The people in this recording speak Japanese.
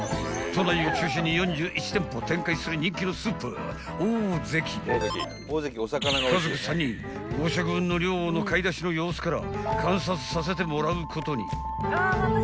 ［都内を中心に４１店舗展開する人気のスーパーオオゼキで家族３人５食分の量の買い出しの様子から観察させてもらうことに］